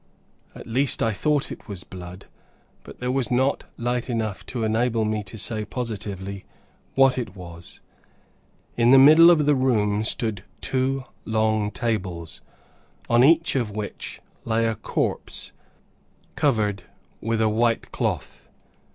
At least, I thought it was blood, but there was not light enough to enable me to say positively what it was. In the middle of the room, stood two long tables, on each of which, lay a corpse, covered with a white cloth.